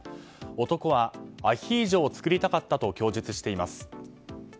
男はアヒージョを作りたかったと供述しています。